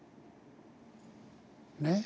ねっ。